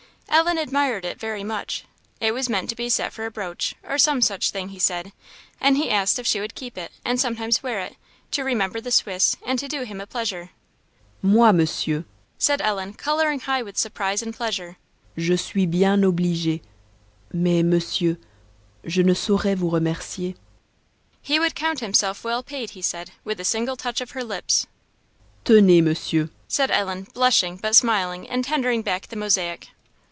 Ellen admired it very much. It was meant to be set for a brooch, or some such thing, he said, and he asked if she would keep it and sometimes wear it, to "remember the Swiss, and to do him a pleasure." "Moi, Monsieur!" said Ellen, colouring high with surprise and pleasure, "je suis bien obligée; mais, Monsieur, je ne saurais vous remercier?" He would count himself well paid, he said, with a single touch of her lips. "Tenez, Monsieur!" said Ellen, blushing, but smiling, and tendering back the mosaic.